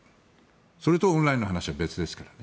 それとオンラインの話は別ですからね。